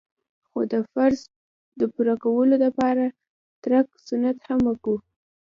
خو د فرض د پوره کولو د پاره که ترک سنت هم وکو.